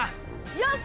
よし！